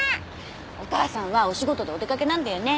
お母さんはお仕事でお出かけなんだよね